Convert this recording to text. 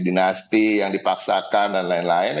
dinasti yang dipaksakan dan lain lain